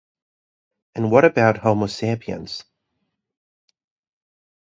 And what about Homo sapiens?